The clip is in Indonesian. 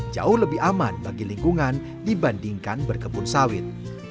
jauh lebih aman bagi lingkungan dibandingkan berkebun sawit